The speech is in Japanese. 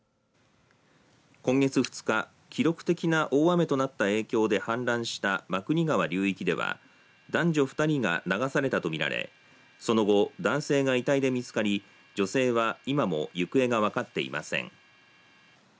今月２日記録的な大雨となった影響で氾濫した真国川流域では男女２人が流されたと見られその後、男性が遺体で見つかり女性は今も行方が分かっていません。